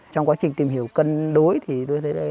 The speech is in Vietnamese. trong quá trình tìm hiểu cân đối thì tôi thấy là